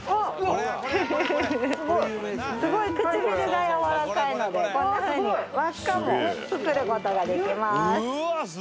すごい唇が柔らかいのでこういうふうに輪っかも作ることができます